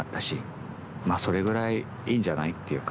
それぐらいいいんじゃない？っていう感じで。